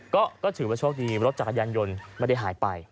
ก็ถือว่าโชคดีรถจักรยานยนต์ไม่ได้หายไป